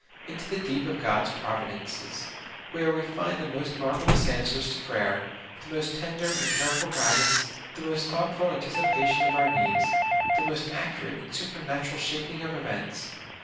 Into the deep of God's providences, where we find the most marvelous answers to prayer, the most tender and careful guid ance, the most thoughtful anticipation of our needs, the most accurate and supernatural vShaping of events.